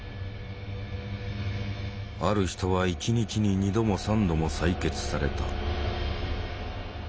ある人は一日に二度も三度も採血された。